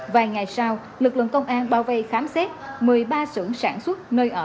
vài ngày sau lực lượng công an bao vây khám xét một mươi ba xưởng sản xuất nơi ở